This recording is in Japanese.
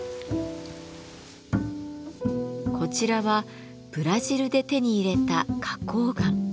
こちらはブラジルで手に入れた花崗岩。